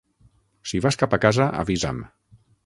Si vas cap a casa, avisa'm.